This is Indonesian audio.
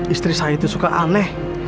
istri saya itu suka aneh